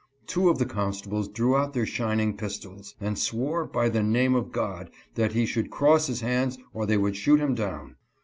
Two of the constables drew out their shining pistols, and swore, by the name of God, that he should cross his hands or they would shoot him down.